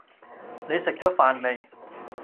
你食咗飯未？